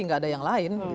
nggak ada yang lain